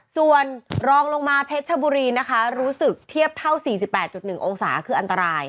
ส่วนรองลงมาเพชรชบุรีนะคะรู้สึกเทียบเท่า๔๘๑องศาคืออันตราย